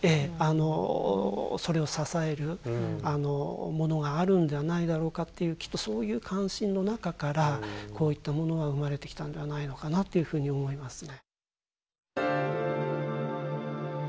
それを支えるものがあるんではないだろうかっていうきっとそういう関心の中からこういったものが生まれてきたんではないのかなっていうふうに思いますね。